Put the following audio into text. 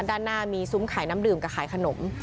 ด้านหน้ามีซุ้มขายน้ำดื่มกับขายขนม